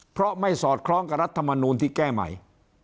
เพราะไม่สอดคล้องกับรัฐมนูลที่แก้ใหม่